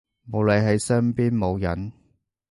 冇你喺身邊冇癮